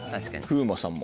風磨さんも。